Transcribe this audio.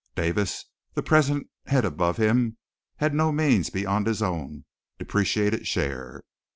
Davis, the present head above him, had no means beyond his own depreciated share.